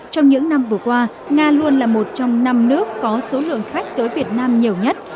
trong những năm vừa qua nga luôn là một trong năm nước có số lượng khách tới việt nam nhiều nhất